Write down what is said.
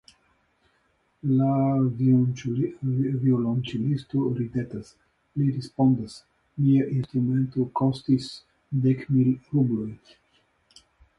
La violonĉelisto ridetas; li respondas: Mia instrumento kostis dek mil rublojn.